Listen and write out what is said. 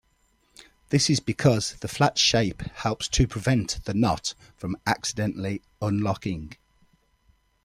This is because the flat shape helps to prevent the knot from accidentally "unlocking".